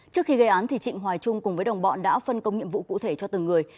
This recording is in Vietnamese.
trước khi gây án trịnh hoài trung cùng với đồng bọn đã phân công nhiệm vụ cụ thể cho từng người